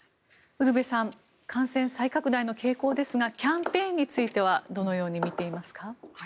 ウルヴェさん感染再拡大の傾向ですがキャンペーンについてはどのように見ていますか？